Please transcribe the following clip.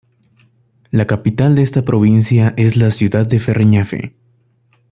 La capital de esta provincia es la ciudad de Ferreñafe.